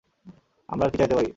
আমরা আর কি চাইতে পারি?